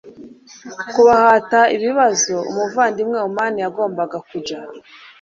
kubahata ibibazo umuvandimwe oman yagombaga kujya